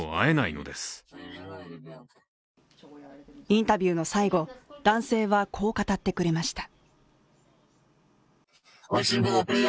インタビューの最後、男性はこう語ってくれました。